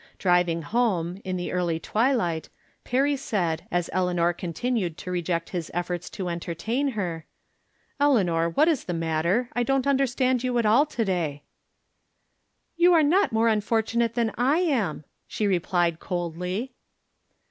Driving home, in the. early twilight, Perry said, as Eleanor continued to reject his efforts to entertain her :" Eleanor, what is tha matter ? I don't under stand you at all, to day." " You are not more unfortunate than I am," she replied, coldly.